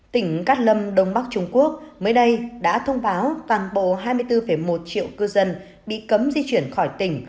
tỉnh cát lâm đông bắc trung quốc mới đây đã thông báo toàn bộ hai mươi bốn một triệu cư dân bị cấm di chuyển khỏi tỉnh